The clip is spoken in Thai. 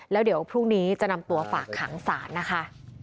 แล้วเดี๋ยวพรุ่งนี้จะนำตัวฝากขังศาลนะคะ